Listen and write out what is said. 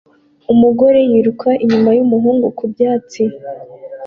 Umugore yiruka inyuma yumuhungu ku byatsi